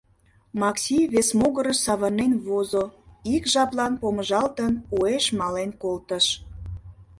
— Макси вес могырыш савырнен возо, ик жаплан помыжалтын, уэш мален колтыш.